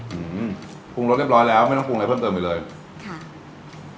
อืมปรุงรสเรียบร้อยแล้วไม่ต้องปรุงอะไรเพิ่มเติมอีกเลยค่ะ